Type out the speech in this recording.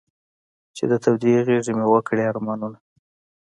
چې د تودې غېږې مې و کړې ارمانونه.